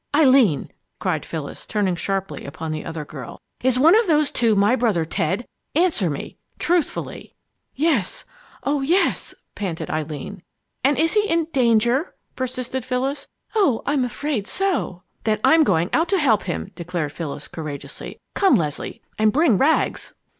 "Eileen!" cried Phyllis, turning sharply upon the other girl, "is one of those two my brother Ted? Answer me truthfully." "Yes oh, yes!" panted Eileen. "And is he in danger?" persisted Phyllis. "Oh I'm afraid so!" "Then I'm going out to help him!" declared Phyllis, courageously. "Come, Leslie and bring Rags!"